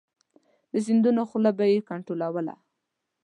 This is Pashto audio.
د سیندونو خوله به یې کنترولوله.